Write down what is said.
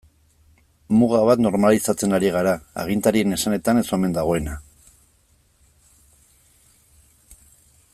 Muga bat normalizatzen ari gara, agintarien esanetan ez omen dagoena.